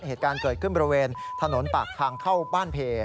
เหตุการณ์เกิดขึ้นบริเวณถนนปากทางเข้าบ้านเพ